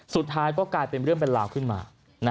สุดท้ายก็กลายเป็นเรื่องเป็นราวขึ้นมา